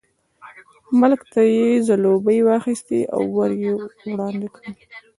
ملک ته یې ځلوبۍ واخیستې او ور یې وړاندې کړې.